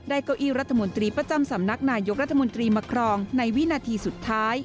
เก้าอี้รัฐมนตรีประจำสำนักนายกรัฐมนตรีมาครองในวินาทีสุดท้าย